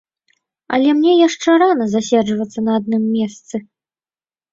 Але мне яшчэ рана заседжвацца на адным месцы.